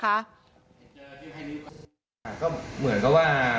ก็เหมือนกับว่า